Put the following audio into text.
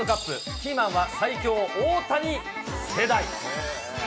キーマンは最強大谷世代。